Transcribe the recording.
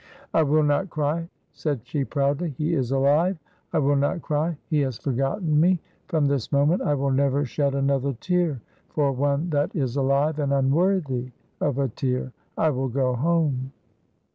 "I will not cry," said she, proudly, "he is alive I will not cry he has forgotten me; from this moment I will never shed another tear for one that is alive and unworthy of a tear. I will go home."